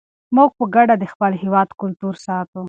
موږ به په ګډه د خپل هېواد کلتور ساتو.